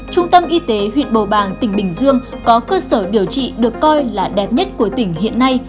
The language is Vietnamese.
trung tâm y tế huyện bầu bàng tỉnh bình dương có cơ sở điều trị được coi là đẹp nhất của tỉnh hiện nay